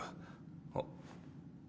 あっ。